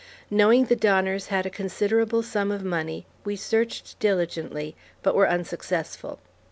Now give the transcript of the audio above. Knowing the Donners had a considerable sum of money we searched diligently but were unsuccessful.